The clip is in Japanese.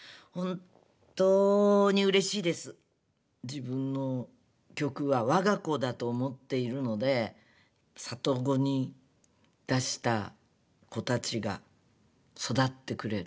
「自分の曲はわが子だと思っているので里子に出した子たちが育ってくれる。